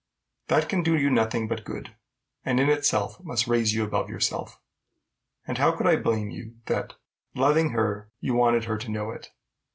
"That can do you nothing but good, and in itself must raise you above yourself. And how could I blame you, that, loving her, you wanted her to know it?